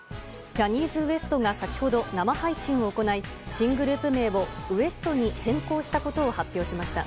ジャニーズＷＥＳＴが先ほど生配信を行い新グループ名をＷＥＳＴ．に変更したことを発表しました。